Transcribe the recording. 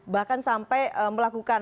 bahkan sampai melakukan